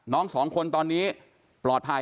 น้องสองคนตอนนี้ปลอดภัย